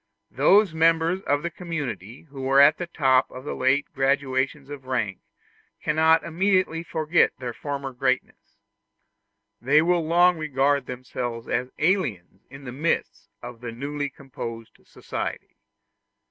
Those members of the community who were at the top of the late gradations of rank cannot immediately forget their former greatness; they will long regard themselves as aliens in the midst of the newly composed society.